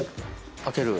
開ける。